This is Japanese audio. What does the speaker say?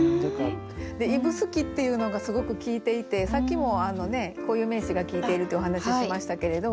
「指宿」っていうのがすごく効いていてさっきもあのね固有名詞が効いているってお話ししましたけれど